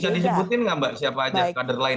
bisa disebutin nggak mbak siapa aja kader lain